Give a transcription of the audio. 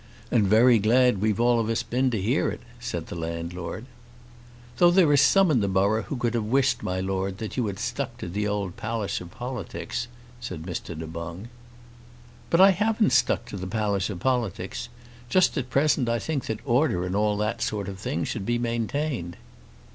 "And very glad we've all of us been to hear it," said the landlord. "Though there are some in the borough who could have wished, my Lord, that you had stuck to the old Palliser politics," said Mr. Du Boung. "But I haven't stuck to the Palliser politics. Just at present I think that order and all that sort of thing should be maintained."